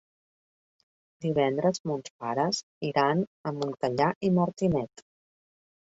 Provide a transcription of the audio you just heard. Divendres mons pares iran a Montellà i Martinet.